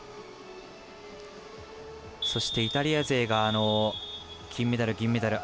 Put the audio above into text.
そしてイタリア勢が金メダル、銀メダル。